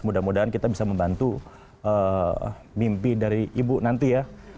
mudah mudahan kita bisa membantu mimpi dari ibu nanti ya